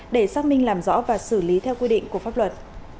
để xác minh làm rõ và xử lý theo quy định của pháp luật